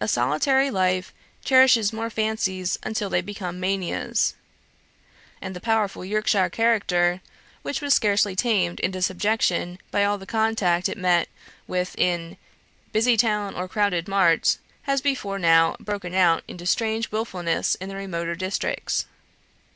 A solitary life cherishes mere fancies until they become manias. And the powerful Yorkshire character, which was scarcely tamed into subjection by all the contact it met with in "busy town or crowded mart," has before now broken out into strange wilfulness in the remoter districts.